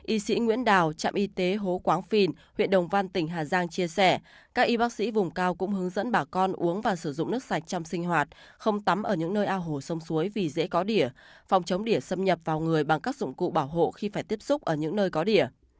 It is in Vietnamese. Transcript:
y sĩ nguyễn đào trạm y tế hố quán phìn huyện đồng văn tỉnh hà giang chia sẻ các y bác sĩ vùng cao cũng hướng dẫn bà con uống và sử dụng nước sạch trong sinh hoạt không tắm ở những nơi ao hồ sông suối vì dễ có đỉa phòng chống đỉa xâm nhập vào người bằng các dụng cụ bảo hộ khi phải tiếp xúc ở những nơi có đỉa